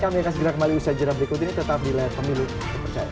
kami akan segera kembali usaha jelang berikut ini tetap di layar pemilu yang dipercaya